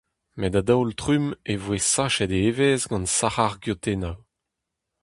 Met a-daol-trumm e voe sachet e evezh gant sarac'h geotennoù.